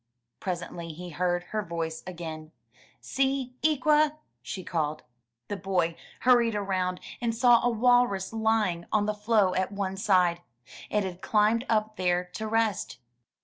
Presently he heard her voice again. *'See, Ikwa!'' she called. 391 MY BOOK HOUSE The boy hurried around, and saw a walrus lying on the floe at one side. It had climbed up there to rest.